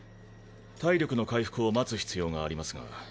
体力の回復を待つ必要がありますが。